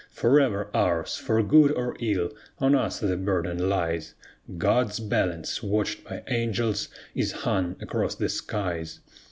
Forever ours! for good or ill, on us the burden lies: God's balance, watched by angels, is hung across the skies.